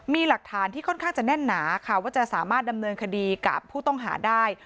มีหลักฐานที่ค่อนข้างจะแน่นหนาค่ะว่าจะสามารถดำเนินคดีกับผู้ต้องหาได้